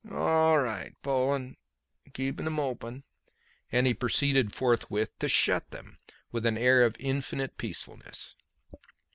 "All ri' Pol'n. Keep'm open," and he proceeded forthwith to shut them with an air of infinite peacefulness.